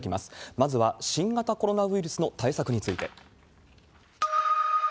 まずは新型コロナウイルスの対策について。